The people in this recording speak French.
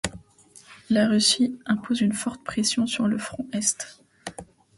La Russie impose une forte pression sur le front est.